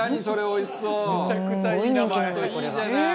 それおいしそう！